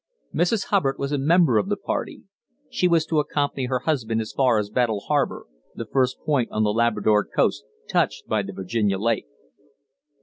Mrs. Hubbard was a member of the party; she was to accompany her husband as far as Battle Harbour, the first point on the Labrador coast touched by the Virginia Lake.